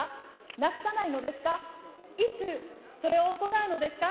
なくさないのですか、いつ、それを行うのですか。